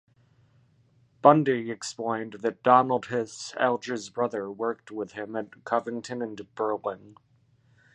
Bundy explained that Donald Hiss, Alger's brother, worked with him at Covington and Burling.